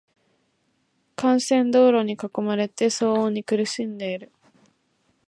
幹線道路に囲まれていて、騒音に苦しんでいる。